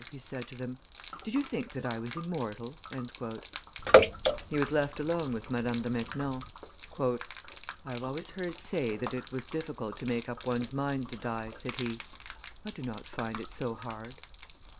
he said to them; "did you think that I was immortal?" He was left alone with Madame de Maintenon. "I have always heard say that it was difficult to make up one's mind to die," said he; "I do not find it so hard."